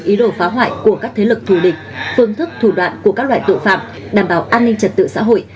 ý đồ phá hoại của các thế lực thù địch phương thức thủ đoạn của các loại tội phạm đảm bảo an ninh trật tự xã hội